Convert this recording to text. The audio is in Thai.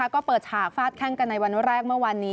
ก็เปิดฉากฟาดแข้งกันในวันแรกเมื่อวานนี้